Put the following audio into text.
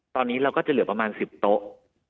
ตอนนี้เราก็จะเหลือประมาณ๑๐โต๊ะ